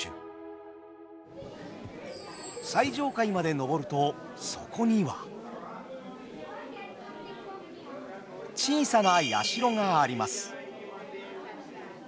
最上階まで上るとそこには小さな社があります。